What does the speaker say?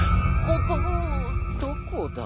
ここどこだ？